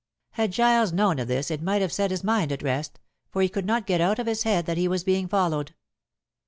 Had Giles known of this it might have set his mind at rest, for he could not get out of his head that he was being followed.